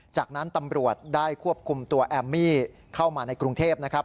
จากนั้นตำรวจได้ควบคุมตัวแอมมี่เข้ามาในกรุงเทพนะครับ